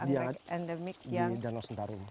ini ya di danau sentarum